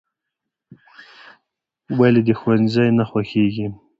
"ولې دې ښوونځی نه خوښېږي؟"